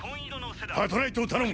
パトライトを頼む。